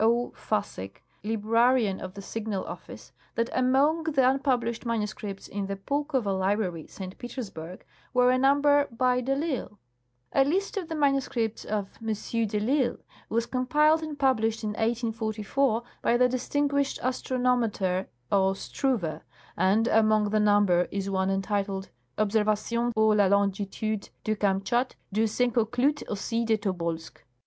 Fassig, librarian of the Signal Office, that among the un published manuscripts in the Pulkova library, St. Petersburg, were a number by de I'lsle. A list of the manuscripts of M. de I'lsle was compiled and published in 1844 by the distinguished astronometer 0. Struve, and among the number is one entitled :" Observations pour la longitude du Kamchat, d'ou se conclut aussi de Tobolsk.